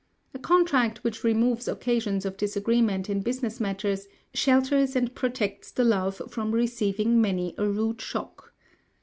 A contract which removes occasions of disagreement in business matters shelters and protects the love from receiving many a rude shock.